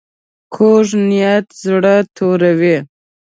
کوږ نیت زړه توروي